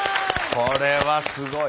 これはすごい！